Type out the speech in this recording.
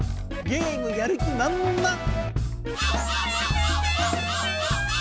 ゲームやる気まんまん！